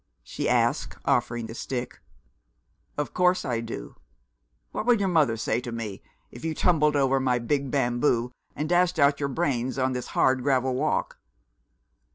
she asked, offering the stick. "Of course I do. What would your mother say to me, if you tumbled over my big bamboo, and dashed out your brains on this hard gravel walk?"